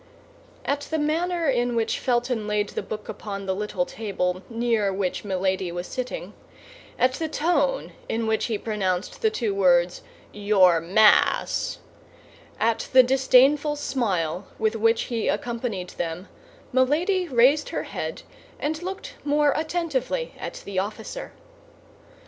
At the manner in which Felton laid the book upon the little table near which Milady was sitting, at the tone in which he pronounced the two words, your Mass, at the disdainful smile with which he accompanied them, Milady raised her head, and looked more attentively at the officer.